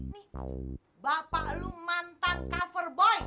nih bapak lu mantan cover boyke